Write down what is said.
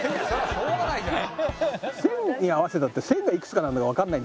「しょうがないじゃん」